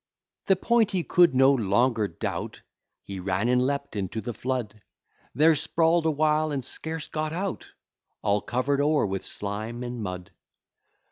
The point he could no longer doubt; He ran, he leapt into the flood; There sprawl'd a while, and scarce got out, All cover'd o'er with slime and mud.